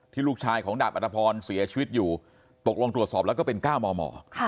ลูกชายของดาบอัตภพรเสียชีวิตอยู่ตกลงตรวจสอบแล้วก็เป็น๙มม